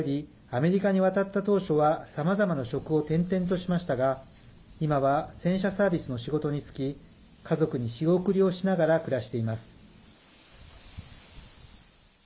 アメリカに渡った当初はさまざまな職を転々としましたが今は洗車サービスの仕事に就き家族に仕送りをしながら暮らしています。